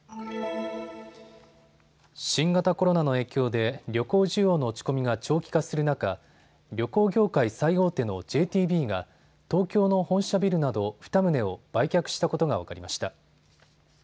新型コロナの影響で旅行需要の落ち込みが長期化する中、旅行業界最大手のＪＴＢが東京の本社ビルなど２棟を売却したことが分かりました。